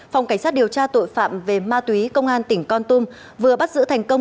phòng cảnh sát điều tra tội phạm về ma túy công an tỉnh con tum vừa bắt giữ thành công